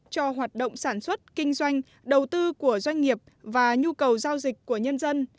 cho hoạt động sản xuất kinh doanh đầu tư của doanh nghiệp và nhu cầu giao dịch của nhân dân